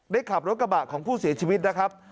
ขับรถกระบะของผู้เสียชีวิตนะครับ